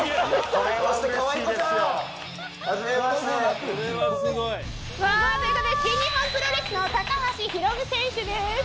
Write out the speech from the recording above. これはすごい。わということで新日本プロレスの高橋ヒロム選手です。